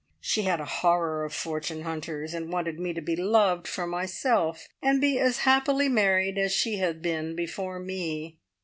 She had a horror of fortune hunters, and wanted me to be loved for myself, and be as happily married as she had been before me.